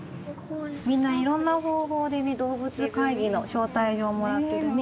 みんないろんな方法でね「動物会議」の招待状もらってるね。